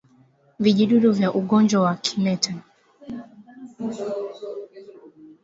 Vijidudu vya ugonjwa wa kimeta